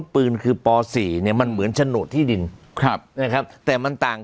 ปืนคือป๔เนี่ยมันเหมือนโฉนดที่ดินครับนะครับแต่มันต่าง